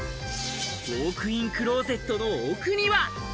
ウォークインクローゼットの奥には。